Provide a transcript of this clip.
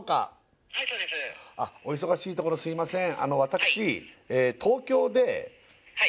お忙しいところすいません